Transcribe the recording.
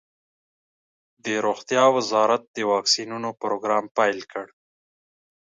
د روغتیا وزارت د واکسینونو پروګرام پیل کړ.